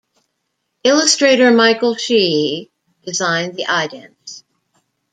Illustrator Michael Sheehy designed the idents.